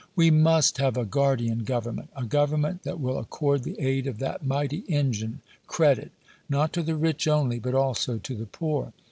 We must have a guardian government a government that will accord the aid of that mighty engine, credit, not to the rich only, but also to the poor.